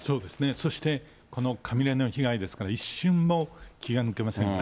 そしてこの雷の被害ですから、一瞬も気が抜けませんよね。